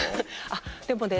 あっでもね